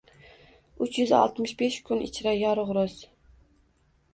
Uch yuz oltmish besh kun ichra yorug’ ro’z.